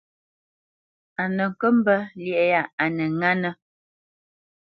A nə kə́ mbə́ lí yâ a nə ŋánə́.